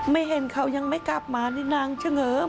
ไม่เห็นเขายังไม่กลับมานี่นางเฉง